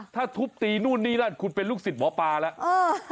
ถ้าทุบตีนู่นนี่นั่นคุณเป็นลูกศิษย์หมอปลาแล้ว